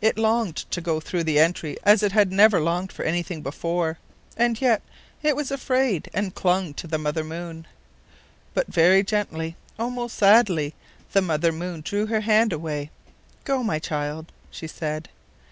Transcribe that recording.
It longed to go through the entry as it had never longed for anything before; and yet it was afraid and clung to the Mother Moon. But very gently, almost sadly, the Mother Moon drew her hand away. "Go, my child," she said.